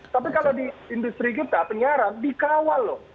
tapi kalau di industri kita penyiaran dikawal loh